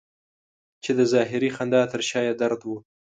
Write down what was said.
چې د ظاهري خندا تر شا یې درد و.